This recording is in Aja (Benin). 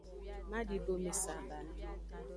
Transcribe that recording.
Madidome saba.